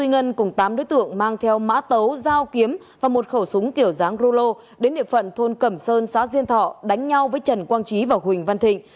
ngân cùng tám đối tượng mang theo mã tấu dao kiếm và một khẩu súng kiểu dáng rulo đến địa phận thôn cẩm sơn xã diên thọ đánh nhau với trần quang trí và huỳnh văn thịnh